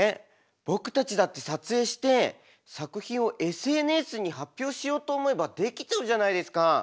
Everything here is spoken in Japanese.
僕たちだって撮影して作品をＳＮＳに発表しようと思えばできちゃうじゃないですか。